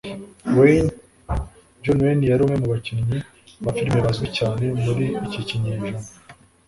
wayne] john wayne yari umwe mu bakinnyi ba firime bazwi cyane muri iki kinyejana